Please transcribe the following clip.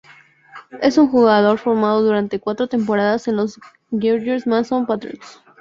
Es un jugador formado durante cuatro temporadas en los George Mason Patriots.